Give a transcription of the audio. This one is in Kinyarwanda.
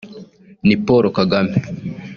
Ni Paul Kagame